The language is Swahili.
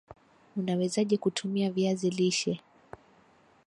UNawezaje kutumia viazi lishe